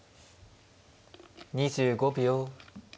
２５秒。